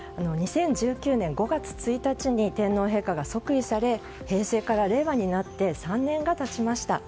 ２０１９年５月１日に天皇陛下が即位され平成から令和になって３年が経ちました。